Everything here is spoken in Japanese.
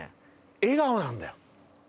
笑顔なんだよ。